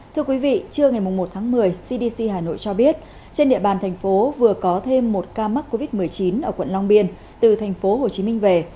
thưa quý vị trưa ngày một tháng một mươi cdc hà nội cho biết trên địa bàn thành phố vừa có thêm một ca mắc covid một mươi chín ở quận long biên từ thành phố hồ chí minh về